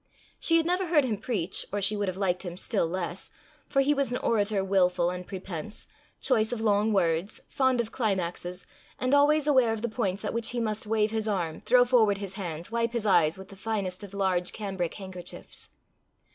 She had never heard him preach, or she would have liked him still less; for he was an orator wilful and prepense, choice of long words, fond of climaxes, and always aware of the points at which he must wave his arm, throw forward his hands, wipe his eyes with the finest of large cambric handkerchiefs.